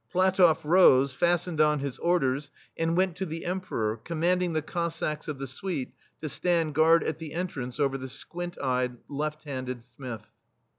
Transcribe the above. PlatofF rose, fastened on his Orders, and went to the Emperor, command ing the Cossacks of the Suite to stand guard at the entrance over the squint eyed, left handed smith.